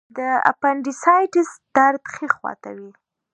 د اپنډیسایټس درد ښي خوا ته وي.